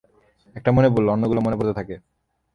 একটা মনে পড়লে, অন্যগুলো মনে পড়তে থাকে।